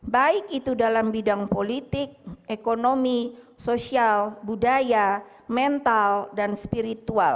baik itu dalam bidang politik ekonomi sosial budaya mental dan spiritual